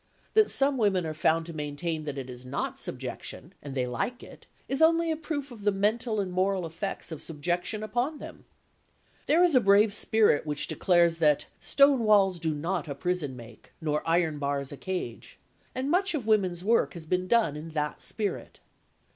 That some women are found to maintain that it is not subjection and they like it, is only a proof of the mental and moral effects of subjection upon them. There is a brave spirit which declares that "Stone walls do not a prison make, Nor iron bars a cage," and much of women's work has been done in that spirit.